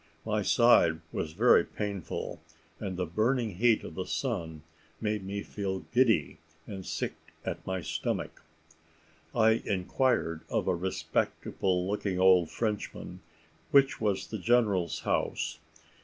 My side was very painful, and the burning heat of the sun made me feel giddy and sick at the stomach. I inquired of a respectable looking old Frenchman, which was the general's house.